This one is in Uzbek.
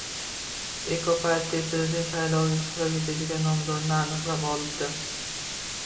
Ekopartiya prezident saylovida ishtirok etadigan nomzodini aniqlab olibdi.